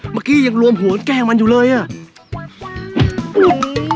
เมื่อกี้ยังรวมหัวแกล้งมันอยู่เลยอ่ะ